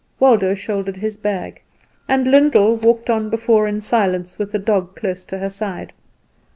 Waldo shouldered his bag, and Lyndall walked on before in silence, with the dog close to her side.